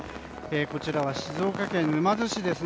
こちらは静岡県沼津市です。